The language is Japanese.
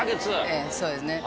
ええそうですね。